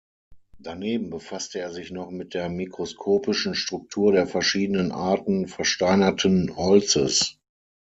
Daneben befasste er sich noch mit der mikroskopischen Struktur der verschiedenen Arten versteinerten Holzes.